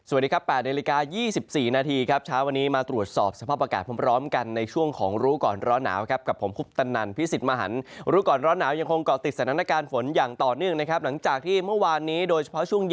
วันนี้ยังคงหน้าจับตายอย่างต่อเนื่อง